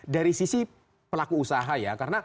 dari sisi pelaku usaha ya karena